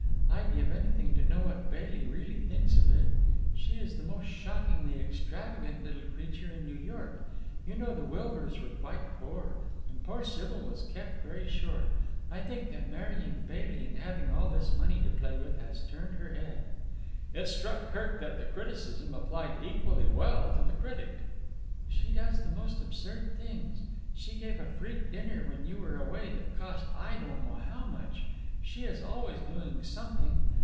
I'd give anything to know what Bailey really thinks of it. She is the most shockingly extravagant little creature in New York. You know the Wilburs were quite poor, and poor Sybil was kept very short. I think that marrying Bailey and having all this money to play with has turned her head." It struck Kirk that the criticism applied equally well to the critic. "She does the most absurd things. She gave a freak dinner when you were away that cost I don't know how much. She is always doing something.